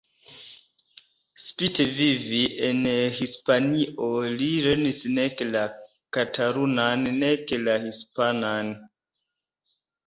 Spite vivi en Hispanio li lernis nek la katalunan nek la hispanan.